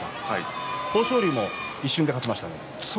豊昇龍も一瞬で勝ちましたね。